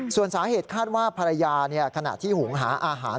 ส่วนสาเหตุคาดว่าภรรยาขณะที่หุงหาอาหาร